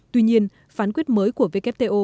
tuy nhiên phán quyết mới của wto